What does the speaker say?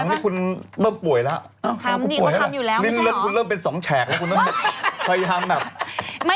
ทำประกันไงเพื่อทำไป